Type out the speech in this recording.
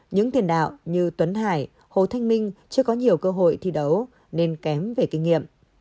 những tiền đạo như tuấn hải hồ thanh minh chưa có nhiều cơ hội thi đấu nên kém về kinh nghiệm